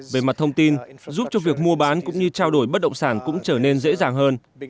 về mặt thông tin giúp cho việc mua bán cũng như trao đổi bất động sản cũng trở nên dễ dàng hơn